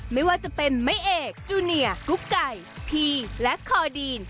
ไม่ว่าจะเป็นแม่เอกจูเนียกุ๊กไก่พีและคอดีน